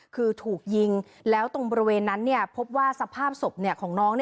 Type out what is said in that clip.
คือถูกยิงแล้วตรงบริเวณนั้นพบว่าสภาพศพของน้อง